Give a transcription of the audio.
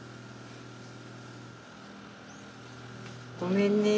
ごめんね。